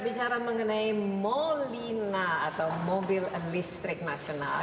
bicara mengenai molina atau mobil listrik nasional